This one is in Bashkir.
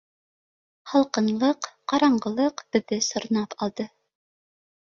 Һалҡынлыҡ, ҡараңғылыҡ беҙҙе сорнап алды.